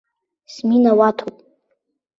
Сминауаҭуп!